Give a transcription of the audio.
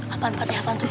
apaan pak deh apaan tuh